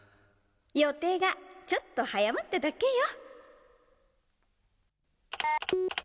よていがちょっとはやまっただけよ。